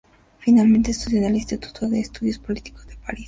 Finalmente estudió en el Instituto de Estudios Políticos de París.